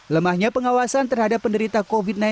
lemahnya pengawasan terhadap penderita covid sembilan belas